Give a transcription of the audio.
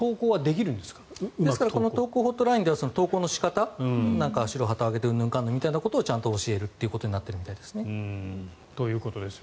投降ホットラインでは投降の仕方なんかは白旗を揚げてうんぬんかんぬんみたいなことをちゃんと教えるということになっているみたいですね。ということです